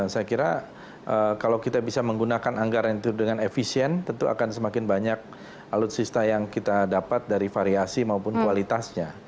saya kira kalau kita bisa menggunakan anggaran itu dengan efisien tentu akan semakin banyak alutsista yang kita dapat dari variasi maupun kualitasnya